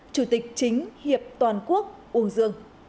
chủ tịch chính hiệp toàn quốc uông dương